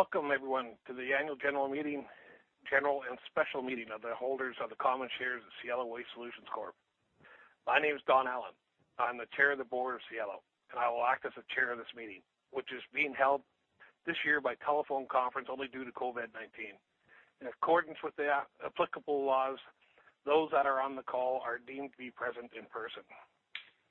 Welcome everyone to the annual general meeting, general and special meeting of the holders of the common shares of Cielo Waste Solutions Corp. My name is Don Allan. I'm the chair of the board of Cielo, and I will act as the chair of this meeting, which is being held this year by telephone conference only due to COVID-19. In accordance with the applicable laws, those that are on the call are deemed to be present in person.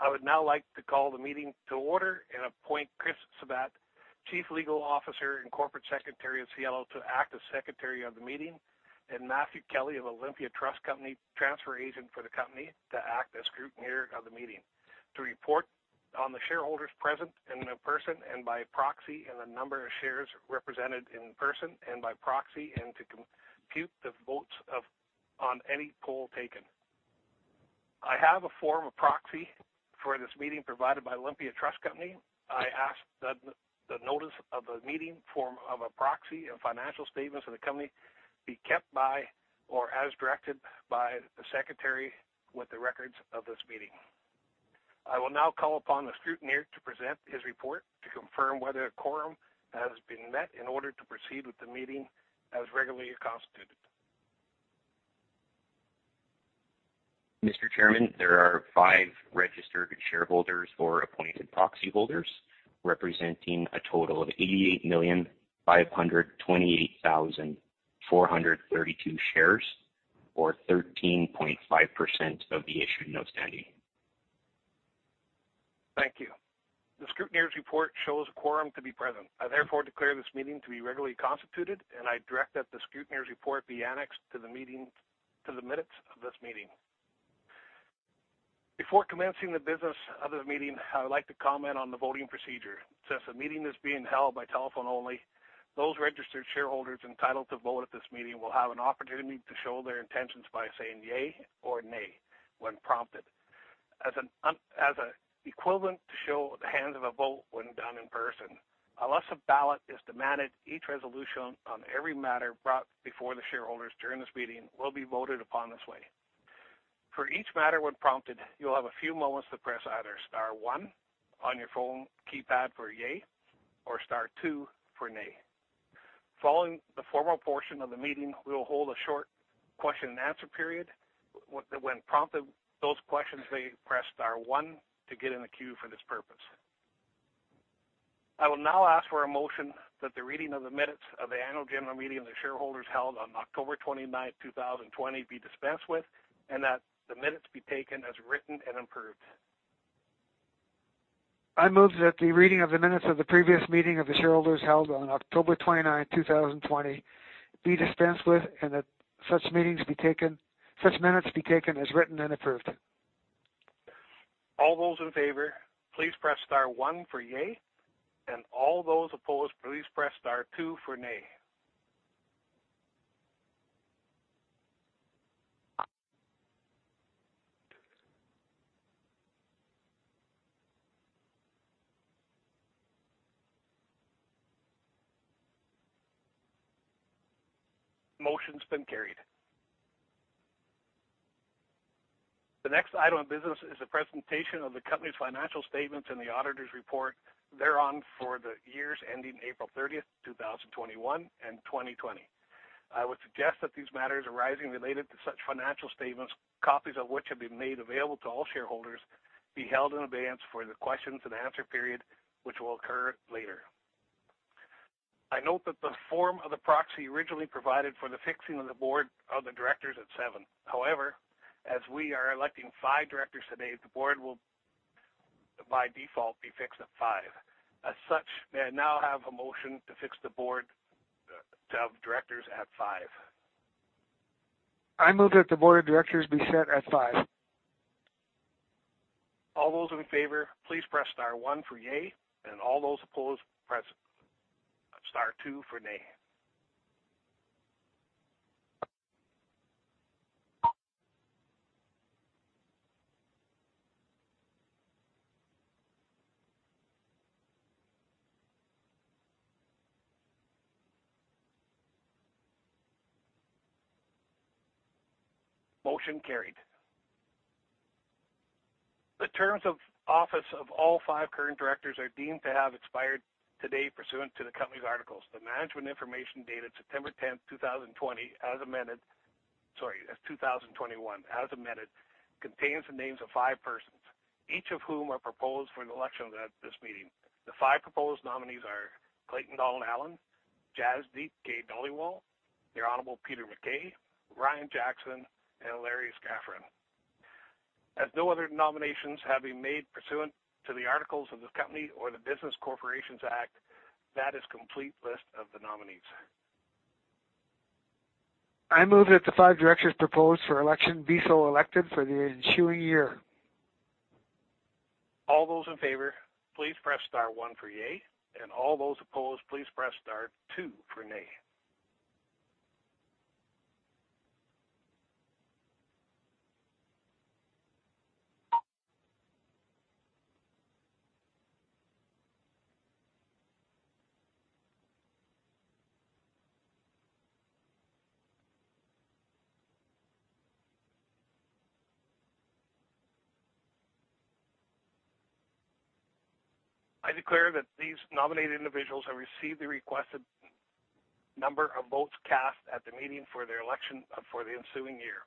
I would now like to call the meeting to order and appoint Chris Sabat, Chief Legal Officer and Corporate Secretary of Cielo, to act as secretary of the meeting, and Matthew Kelly of Olympia Trust Company, transfer agent for the company, to act as scrutineer of the meeting to report on the shareholders present in person and by proxy, and the number of shares represented in person and by proxy, and to compute the votes on any poll taken. I have a form of proxy for this meeting provided by Olympia Trust Company. I ask that the notice of the meeting, form of a proxy, and financial statements of the company be kept by or as directed by the secretary with the records of this meeting. I will now call upon the scrutineer to present his report to confirm whether a quorum has been met in order to proceed with the meeting as regularly constituted. Mr. Chairman, there are 5 registered shareholders or appointed proxy holders representing a total of 88,528,432 shares or 13.5% of the issued and outstanding. Thank you. The scrutineer's report shows a quorum to be present. I therefore declare this meeting to be regularly constituted, and I direct that the scrutineer's report be annexed to the minutes of this meeting. Before commencing the business of the meeting, I would like to comment on the voting procedure. Since the meeting is being held by telephone only, those registered shareholders entitled to vote at this meeting will have an opportunity to show their intentions by saying yay or nay when prompted. As an equivalent to show of hands of a vote when done in person, unless a ballot is demanded, each resolution on every matter brought before the shareholders during this meeting will be voted upon this way. For each matter when prompted, you will have a few moments to press either star one on your phone keypad for yay or star two for nay. Following the formal portion of the meeting, we will hold a short question and answer period. When prompted, those questioning may press star one to get in the queue for this purpose. I will now ask for a motion that the reading of the minutes of the annual general meeting of the shareholders held on October 29th, 2020, be dispensed with and that the minutes be taken as written and approved. I move that the reading of the minutes of the previous meeting of the shareholders held on October 29, 2020, be dispensed with, and that such minutes be taken as written and approved. All those in favor, please press star one for yay, and all those opposed, please press star two for nay. Motion's been carried. The next item of business is a presentation of the company's financial statements and the auditor's report thereon for the years ending April 30th, 2021, and 2020. I would suggest that these matters arising related to such financial statements, copies of which have been made available to all shareholders, be held in abeyance for the questions and answer period, which will occur later. I note that the form of the proxy originally provided for the fixing of the board of the directors at seven. However, as we are electing five directors today, the board will by default be fixed at five. As such, may I now have a motion to fix the board of directors at five. I move that the board of directors be set at five. All those in favor, please press star one for yay, and all those opposed, press star two for nay. Motion carried. The terms of office of all five current directors are deemed to have expired today pursuant to the company's articles. The management information dated September 10th, 2021, as amended, contains the names of five persons, each of whom are proposed for an election at this meeting. The five proposed nominees are Don Allan, Jasdeep K. Dhaliwal, the Honorable Peter MacKay, Ryan Jackson, and Larry Schafran. No other nominations have been made pursuant to the articles of the company or the Business Corporations Act, that is complete list of the nominees. I move that the five directors proposed for election be so elected for the ensuing year. All those in favor, please press star one for yay, and all those opposed, please press star two for nay. I declare that these nominated individuals have received the requested number of votes cast at the meeting for their election for the ensuing year.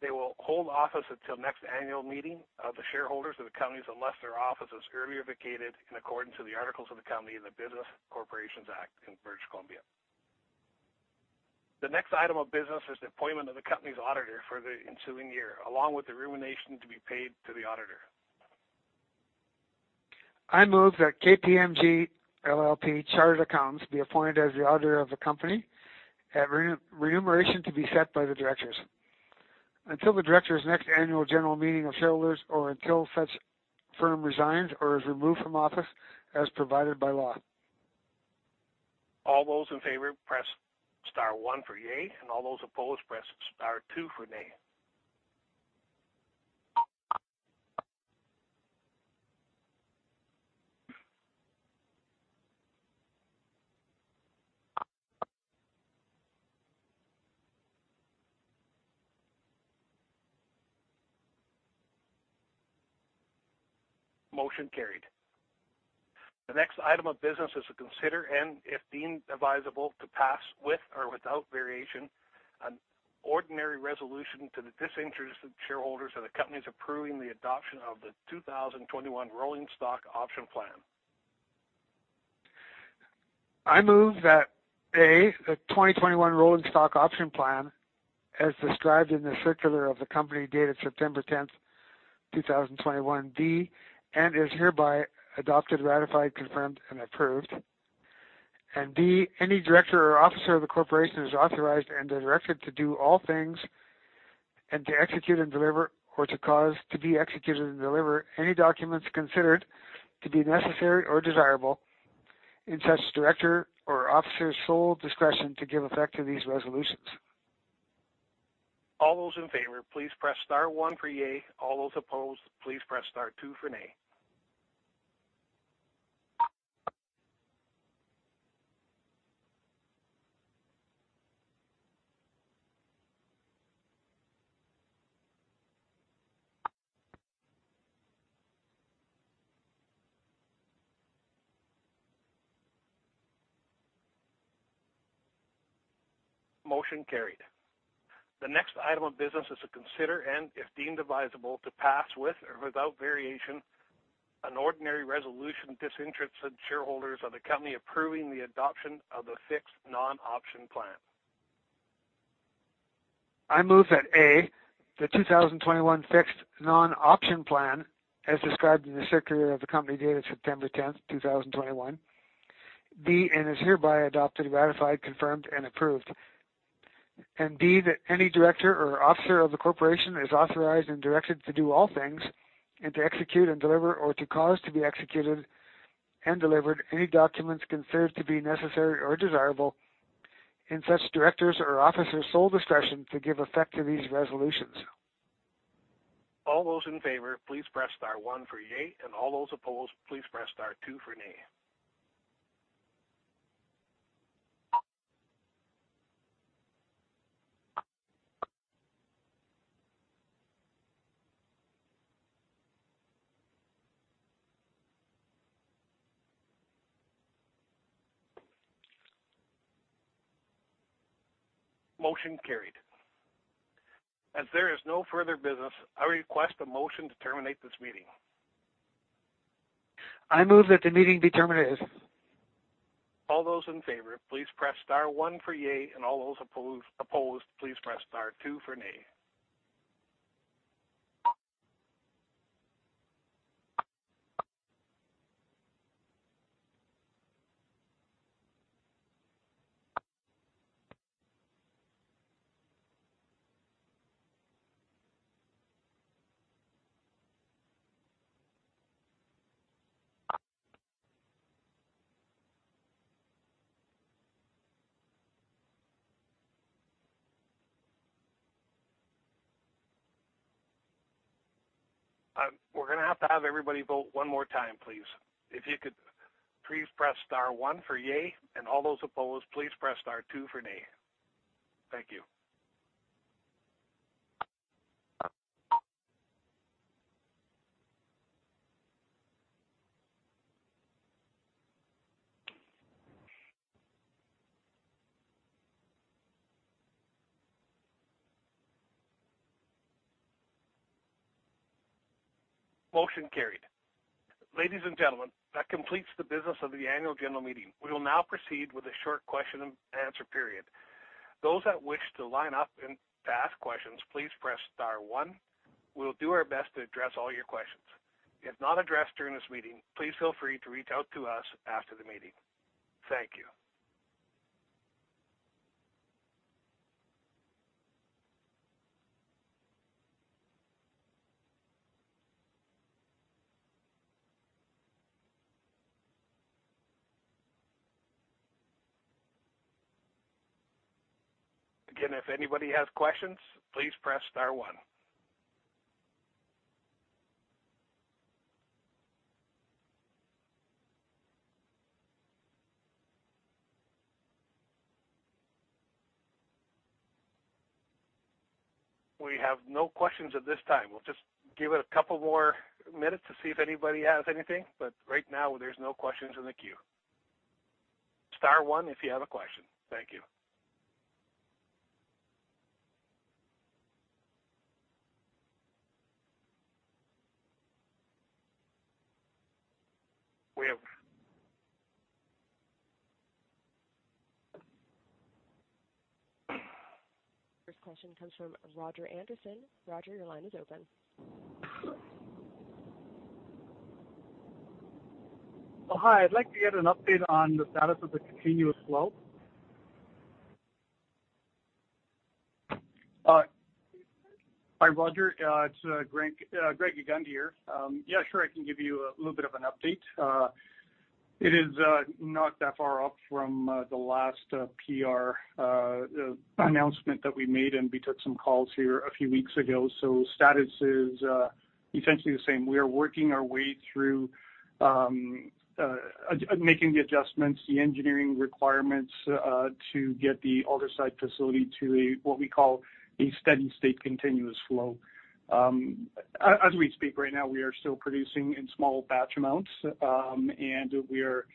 They will hold office until the next annual meeting of the shareholders of the companies, unless their office is earlier vacated in accordance with the articles of the company and the Business Corporations Act in British Columbia. The next item of business is the appointment of the company's auditor for the ensuing year, along with the remuneration to be paid to the auditor. I move that KPMG LLP Chartered Accountants be appointed as the auditor of the company, and remuneration to be set by the directors until the directors' next annual general meeting of shareholders or until such firm resigns or is removed from office as provided by law. All those in favor, press star one for yea, and all those opposed, press star two for nay. Motion carried. The next item of business is to consider, and, if deemed advisable to pass with or without variation, an ordinary resolution to the disinterested shareholders of the companies approving the adoption of the 2021 rolling stock option plan. I move that, A, the 2021 rolling stock option plan, as described in the circular of the company dated September 10th, 2021, be and is hereby adopted, ratified, confirmed, and approved. B, any director or officer of the corporation is authorized and directed to do all things and to execute and deliver, or to cause to be executed and delivered, any documents considered to be necessary or desirable in such director or officer's sole discretion to give effect to these resolutions. All those in favor, please press star one for yea. All those opposed, please press star two for nay. Motion carried. The next item of business is to consider, and, if deemed advisable to pass with or without variation, an ordinary resolution of disinterested shareholders of the company approving the adoption of the fixed non-option plan. I move that A, the 2021 fixed non-option plan, as described in the circular of the company dated September 10th, 2021, be and is hereby adopted, ratified, confirmed, and approved. B, that any director or officer of the corporation is authorized and directed to do all things and to execute and deliver, or to cause to be executed and delivered, any documents considered to be necessary or desirable in such director's or officer's sole discretion to give effect to these resolutions. All those in favor, please press star one for yea, and all those opposed, please press star two for nay. Motion carried. As there is no further business, I request a motion to terminate this meeting. I move that the meeting be terminated. All those in favor, please press star one for yea, and all those opposed, please press star two for nay. We're going to have to have everybody voteone more time, please. If you could please press star one for yea, and all those opposed, please press star two for nay. Thank you. Motion carried. Ladies and gentlemen, that completes the business of the annual general meeting. We will now proceed with a short question and answer period. Those that wish to line up and to ask questions, please press star one. We'll do our best to address all your questions. If not addressed during this meeting, please feel free to reach out to us after the meeting. Thank you. Again, if anybody has questions, please press star one. We have no questions at this time. We'll just give it a couple more minutes to see if anybody has anything. Right now there's no questions in the queue. Star one if you have a question. Thank you. First question comes from Roger Anderson. Roger, your line is open. Hi. I'd like to get an update on the status of the continuous flow. Hi, Roger. It's Gregg Gegunde here. Yeah, sure. I can give you a little bit of an update. It is not that far off from the last PR announcement that we made, and we took some calls here a few weeks ago. Status is essentially the same. We are working our way through making the adjustments, the engineering requirements, to get the Aldersyde facility to what we call a steady state continuous flow. As we speak right now, we are still producing in small batch amounts. We are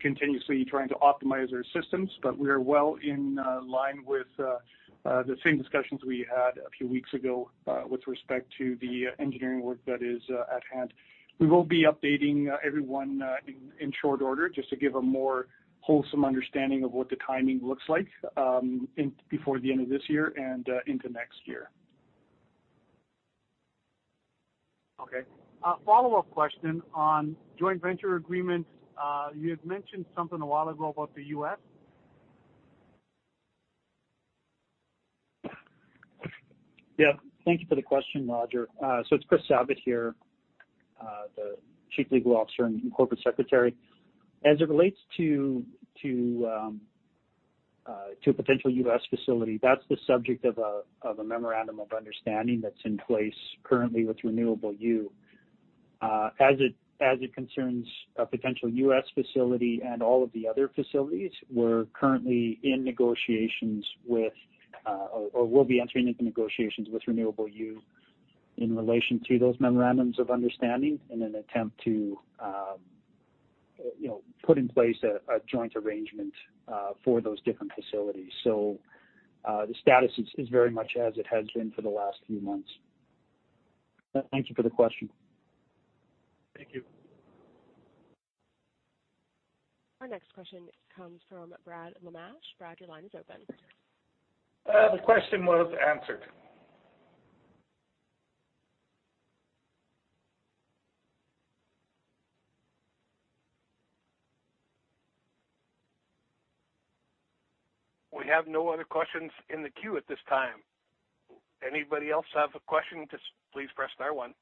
continuously trying to optimize our systems, but we are well in line with the same discussions we had a few weeks ago with respect to the engineering work that is at hand. We will be updating everyone in short order just to give a more wholesome understanding of what the timing looks like before the end of this year and into next year. Okay. A follow-up question on joint venture agreements. You had mentioned something a while ago about the U.S. Yeah. Thank you for the question, Roger Anderson. It's Chris Sabat here, the Chief Legal Officer and Corporate Secretary. As it relates to a potential U.S. facility, that's the subject of a memorandum of understanding that's in place currently with Renewable U. As it concerns a potential U.S. facility and all of the other facilities, we're currently in negotiations with, or will be entering into negotiations with Renewable U in relation to those memorandums of understanding in an attempt to put in place a joint arrangement for those different facilities. The status is very much as it has been for the last few months. Thank you for the question. Thank you. Our next question comes from Brad Lamache. Brad, your line is open. The question was answered. We have no other questions in the queue at this time. Anybody else have a question, just please press star one. Our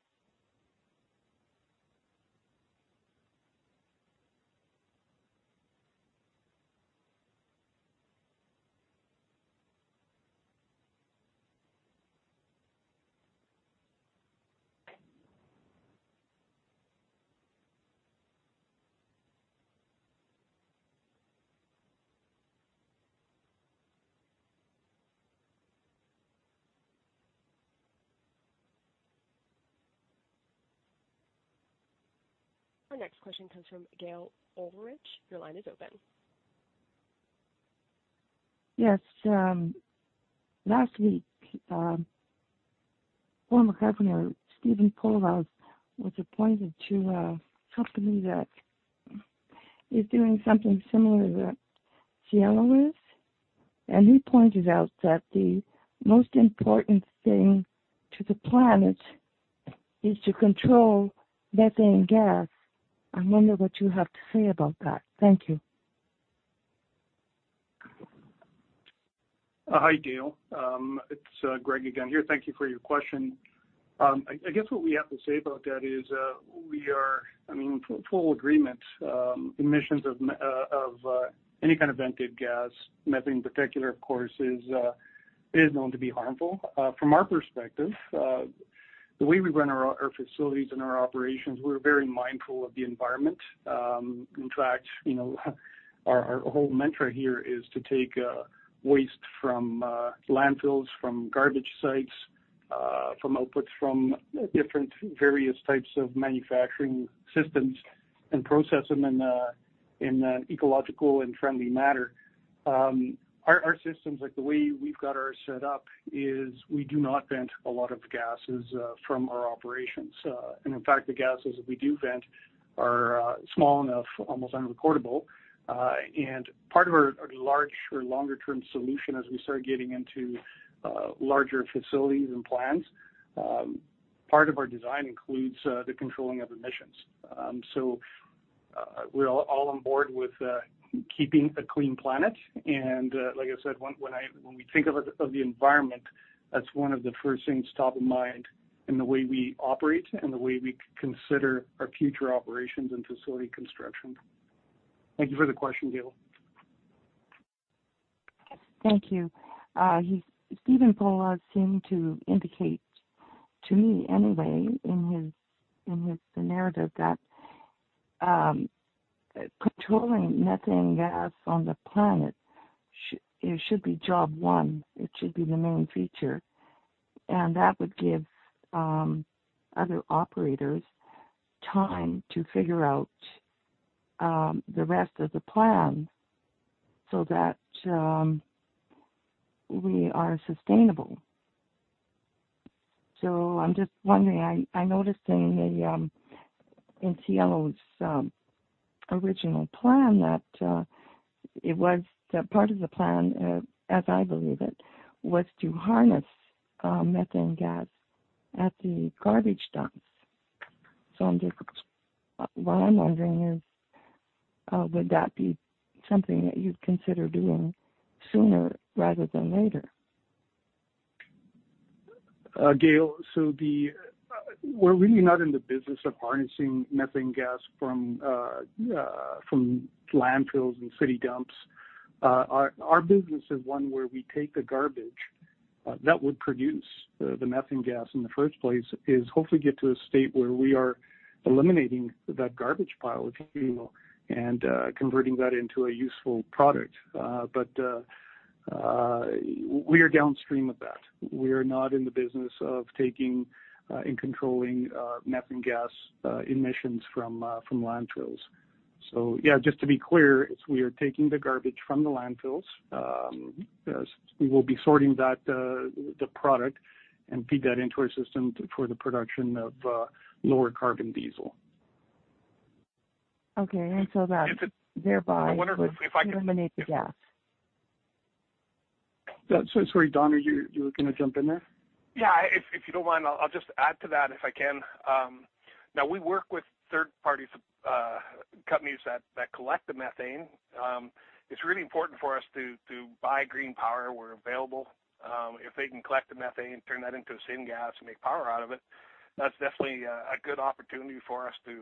next question comes from Gail Ulvrich. Your line is open. Yes. Last week, former governor, Stephen Poloz, was appointed to a company that is doing something similar to what Cielo is. He pointed out that the most important thing to the planet is to control methane gas. I wonder what you have to say about that. Thank you. Hi, Gail. It's Gregg Gegunde here. Thank you for your question. I guess what we have to say about that is we are in full agreement. Emissions of any kind of vented gas, methane in particular, of course, is known to be harmful. From our perspective, the way we run our facilities and our operations, we're very mindful of the environment. In fact, our whole mantra here is to take waste from landfills, from garbage sites, from outputs from different various types of manufacturing systems and process them in an ecological and friendly manner. Our systems, like the way we've got ours set up, is we do not vent a lot of gases from our operations. In fact, the gases that we do vent are small enough, almost unrecordable. Part of our large or longer-term solution as we start getting into larger facilities and plans, part of our design includes the controlling of emissions. We're all on board with keeping a clean planet. Like I said, when we think of the environment, that's one of the first things top of mind in the way we operate and the way we consider our future operations and facility construction. Thank you for the question, Gail. Thank you. Stephen Poloz seemed to indicate, to me anyway, in his narrative that controlling methane gas on the planet should be job one. It should be the main feature. That would give other operators time to figure out the rest of the plan so that we are sustainable. I'm just wondering, I noticed in Cielo's original plan that part of the plan, as I believe it, was to harness methane gas at the garbage dumps. What I'm wondering is, would that be something that you'd consider doing sooner rather than later? Gail, we're really not in the business of harnessing methane gas from landfills and city dumps. Our business is one where we take the garbage that would produce the methane gas in the first place, is hopefully get to a state where we are eliminating that garbage pile, if you will, and converting that into a useful product. We are downstream of that. We are not in the business of taking and controlling methane gas emissions from landfills. Yeah, just to be clear, we are taking the garbage from the landfills. We will be sorting the product and feed that into our system for the production of low-carbon diesel. Okay. Is it- -thereby- I wonder if I can- -would eliminate the gas. Sorry, Don, are you going to jump in there? Yeah. If you don't mind, I'll just add to that if I can. Now we work with third-party companies that collect the methane. It's really important for us to buy green power where available. If they can collect the methane, turn that into syngas and make power out of it, that's definitely a good opportunity for us to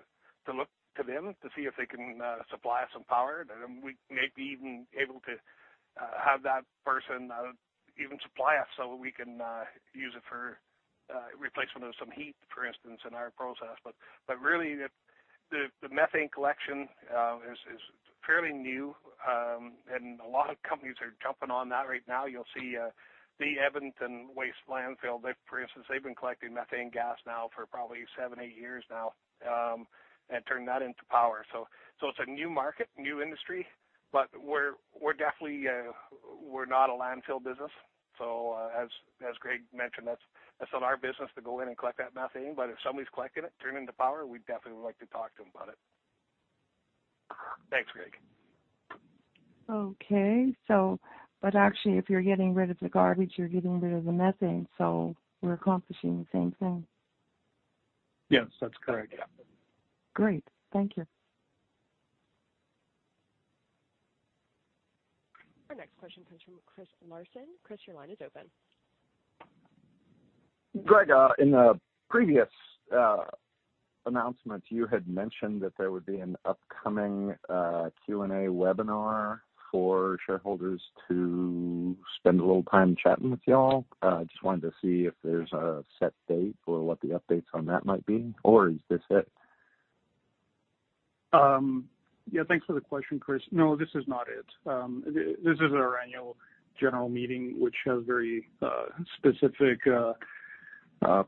look to them to see if they can supply us some power. We may be even able to have that person even supply us so we can use it for replacement of some heat, for instance, in our process. Really, the methane collection is fairly new. A lot of companies are jumping on that right now. You'll see the Edmonton waste landfill, for instance, they've been collecting methane gas now for probably seven, eight years now, and turning that into power. It's a new market, new industry. We're definitely not a landfill business. As Gregg mentioned, that's not our business to go in and collect that methane. If somebody's collecting it, turn it into power, we definitely would like to talk to them about it. Thanks, Gregg. Okay. Actually, if you're getting rid of the garbage, you're getting rid of the methane. We're accomplishing the same thing. Yes, that's correct. Yeah. Great. Thank you. Our next question comes from Chris Larson. Chris, your line is open. Greg, in a previous announcement, you had mentioned that there would be an upcoming Q&A webinar for shareholders to spend a little time chatting with you all. I just wanted to see if there's a set date or what the updates on that might be, or is this it? Yeah. Thanks for the question, Chris. No, this is not it. This is our annual general meeting, which has very specific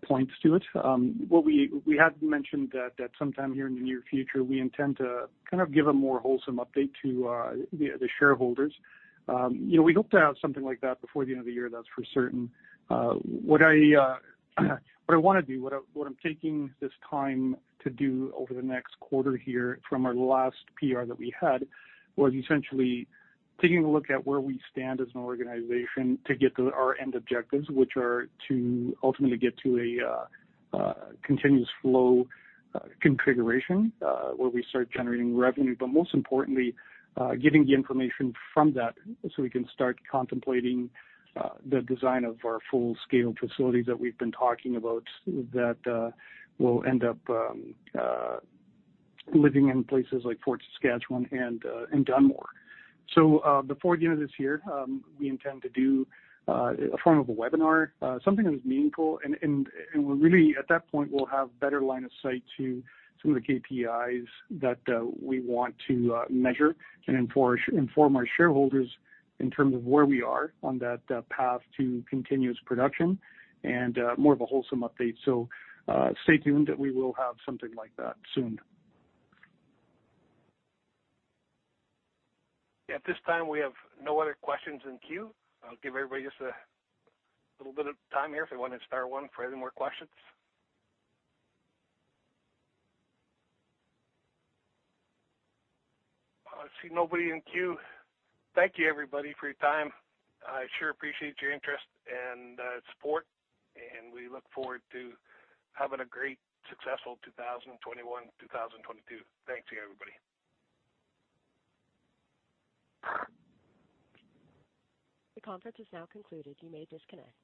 points to it. We had mentioned that sometime here in the near future, we intend to give a more wholesome update to the shareholders. We hope to have something like that before the end of the year, that's for certain. What I want to do, what I'm taking this time to do over the next quarter here from our last PR that we had, was essentially taking a look at where we stand as an organization to get to our end objectives, which are to ultimately get to a continuous flow configuration, where we start generating revenue. Most importantly, getting the information from that so we can start contemplating the design of our full-scale facility that we've been talking about that will end up living in places like Fort Saskatchewan and Dunmore. Before the end of this year, we intend to do a form of a webinar, something that is meaningful, and really, at that point, we'll have better line of sight to some of the KPIs that we want to measure and inform our shareholders in terms of where we are on that path to continuous production and more of a wholesome update. Stay tuned, and we will have something like that soon. At this time, we have no other questions in queue. I'll give everybody just a little bit of time here if they want to start one for any more questions. I see nobody in queue. Thank you, everybody, for your time. I sure appreciate your interest and support, and we look forward to having a great, successful 2021, 2022. Thanks again, everybody. The conference is now concluded. You may disconnect.